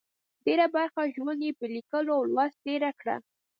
ډېره برخه ژوند یې په لیکلو او لوست تېر کړه.